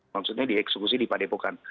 maksudnya dieksekusi di padepokan